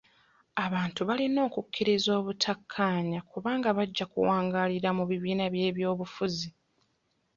Abantu balina okukkiriza obutakkaanya kubanga bajja kuwangaalira mu bibiina by'ebyobufuzi.